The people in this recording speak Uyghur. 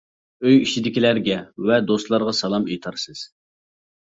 ئۆي ئىچىدىكىلەرگە ۋە دوستلارغا سالام ئېيتارسىز.